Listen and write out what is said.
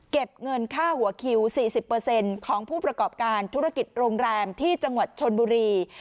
เก็บเงินค่าหัวคิว๔๐เปอร์เซ็นต์ของผู้ประกอบการธุรกิจโรงแรมที่จังหวัดชนบุรี